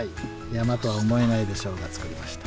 山とは思えないでしょうが作りました。